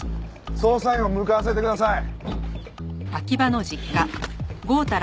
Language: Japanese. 捜査員を向かわせてください。